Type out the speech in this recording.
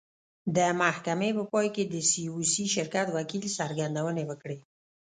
د محکمې په پای کې د سي او سي شرکت وکیل څرګندونې وکړې.